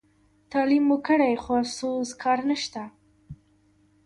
تعلیم مو کړي خو افسوس کار نشته.